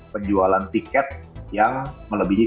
dan juga artis line up yang sangat banyak